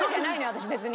私別に。